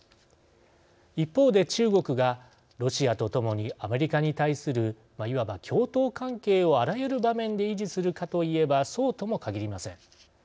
一方で中国がロシアとともにアメリカに対するいわば共闘関係をあらゆる場面で維持するかといえばそうとも限りません。